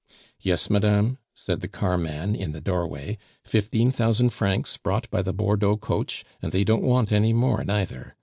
"Yes, madame," said the carman in the doorway, "fifteen thousand francs, brought by the Bordeaux coach, and they didn't want any more neither!